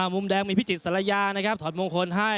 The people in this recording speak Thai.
มุมแดงมีพี่จิตสัลยาถอดมงคลให้